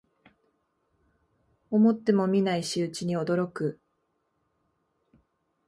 思ってもみない仕打ちに驚く